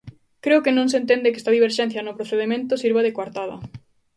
Creo que non se entende que esta diverxencia no procedemento sirva de coartada.